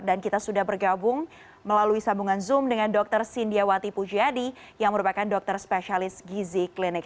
dan kita sudah bergabung melalui sambungan zoom dengan dr sindiawati pujadi yang merupakan dokter spesialis gizi clinic